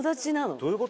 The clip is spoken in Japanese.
どういうこと？